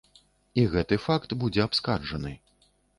І гэты факт будзе абскарджаны.